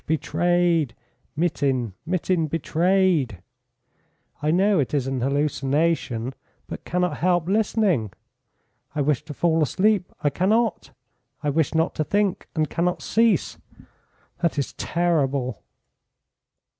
betrayed Mitin! Mitin betrayed!' I know it is an hallucination, but cannot help listening. I wish to fall asleep, I cannot. I wish not to think, and cannot cease. That is terrible!"